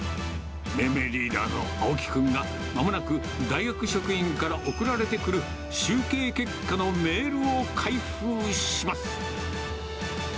命名リーダーの青木君が、まもなく大学職員から送られてくる集計結果のメールを開封します。